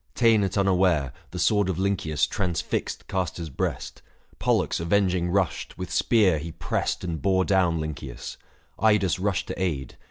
Ta'en at unaware, The sword of Lynceus transfixed Castor's breast ; Pollux avenging rushed, with spear he pressed And bore down Lynceus ; Idas rushed to aid.